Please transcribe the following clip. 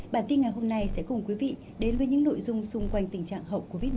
bản tin ngày hôm nay sẽ cùng quý vị đến với những nội dung xung quanh tình trạng hậu covid một mươi chín